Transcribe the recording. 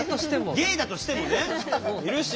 ゲイだとしてもねいるし。